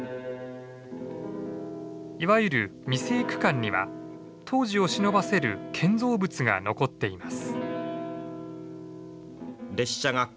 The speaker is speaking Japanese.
いわゆる未成区間には当時をしのばせる建造物が残っています。